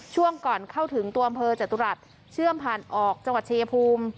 ช่วงก่อนเข้าถึงตัวอำเภอจตุรัสเชื่อมผ่านออกจังหวัดชายภูมิ